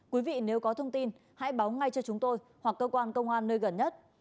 quý vị nếu có thông tin hãy báo ngay cho chúng tôi hoặc cơ quan công an nơi gần nhất